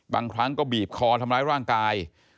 บางครั้งก็บีบคอทำร้ายร่างกาย